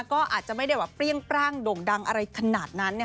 ก็อาจจะไม่ได้แบบเปรี้ยงปร่างโด่งดังอะไรขนาดนั้น